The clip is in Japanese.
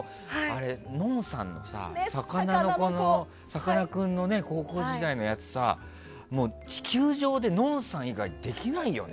のんさんのさかなクンの高校時代のやつさ地球上でのんさん以外できないよね。